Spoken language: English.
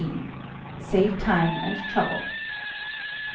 Save Time and Trouble.